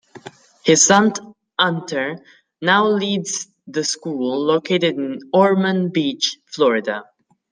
His son Hunter now leads the school, located in Ormond Beach, Florida.